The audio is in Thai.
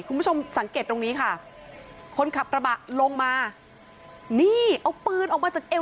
คุณผู้ชมสังเกตตรงนี้ค่ะคนขับกระบะลงมานี่เอาปืนออกมาจากเอว